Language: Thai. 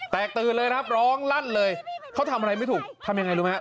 ตื่นเลยครับร้องลั่นเลยเขาทำอะไรไม่ถูกทำยังไงรู้ไหม